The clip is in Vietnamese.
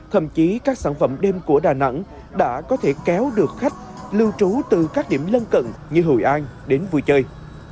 thậm chí các sản phẩm đêm của đà nẵng đã có thể kéo được khách lưu trú từ các điểm lân cận như hội an đến vui chơi